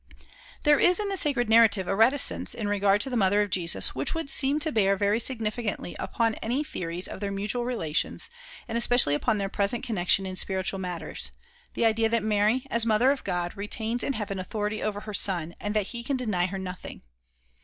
There is in the sacred narrative a reticence in regard to the mother of Jesus which would seem to bear very significantly upon any theories of their mutual relations, and especially upon their present connection in spiritual matters the idea that Mary, as Mother of God, retains in heaven authority over her son, and that he can deny her nothing.